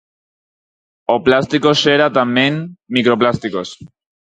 O plástico xera tamén microplásticos.